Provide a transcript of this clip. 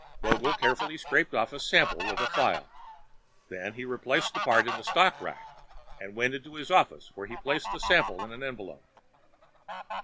Vogel carefully scraped off a sample with a file. Then he replaced the part in the stock rack and went into his office where he placed the sample in an envelope.